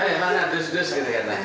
oh gimana dus dus gitu kan